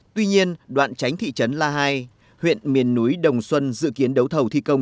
tuy nhiên đoạn tránh thị trấn la hai huyện miền núi đồng xuân dự kiến đấu thầu thi công